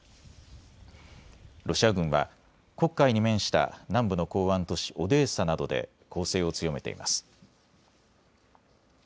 ロシア軍は黒海に面した南部の港湾都市オデーサなどで攻勢を強めています。